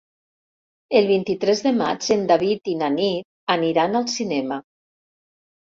El vint-i-tres de maig en David i na Nit aniran al cinema.